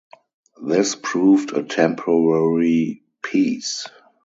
This proved a temporary peace.